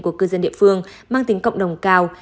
của cư dân địa phương mang tính cộng đồng cao